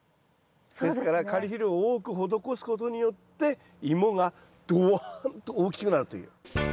ですからカリ肥料を多く施すことによってイモがどわんと大きくなるという。